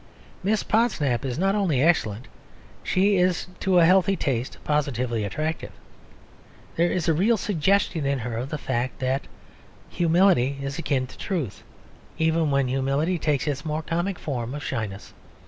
Miss Podsnap is not only excellent, she is to a healthy taste positively attractive; there is a real suggestion in her of the fact that humility is akin to truth, even when humility takes its more comic form of shyness.